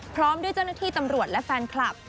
พร้อมด้วยเจ้าหน้าที่ตำรวจและแฟนคลับ